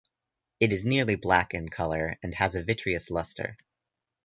It is nearly black in color and has a vitreous luster.